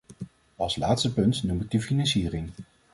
Als laatste punt noem ik de financiering.